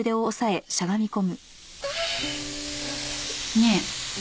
ねえ。